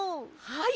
はい！